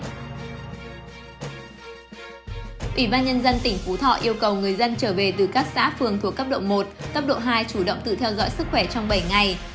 ủy ban nhân dân tỉnh phú thọ yêu cầu người dân trở về từ các xã phường thuộc cấp độ một cấp độ hai chủ động tự theo dõi sức khỏe trong bảy ngày